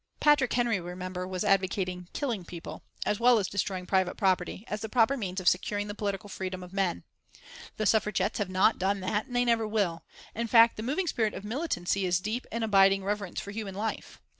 Patrick Henry, remember, was advocating killing people, as well as destroying private property, as the proper means of securing the political freedom of men. The Suffragettes have not done that, and they never will. In fact the moving spirit of militancy is deep and abiding reverence for human life.